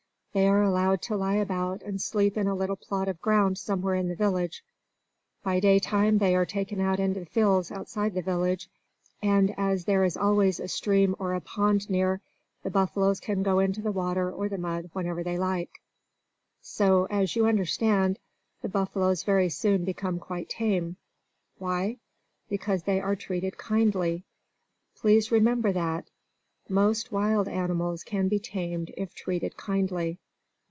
They are allowed to lie about and sleep in a little plot of ground somewhere in the village. By daytime they are taken out into the fields outside the village, and allowed to graze as they please; and as there is always a stream or a pond near, the buffaloes can go into the water or the mud whenever they like. So, as you understand, the buffaloes very soon become quite tame. Why? Because they are treated kindly. Please remember that. _Most wild animals can be tamed if treated kindly.